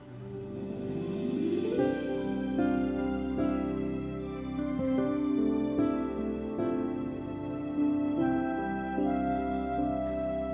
aku ingin tahu apa yang terjadi